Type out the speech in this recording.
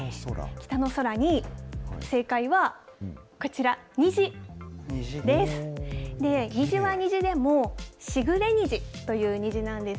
北の空に、正解は、こちら、虹です。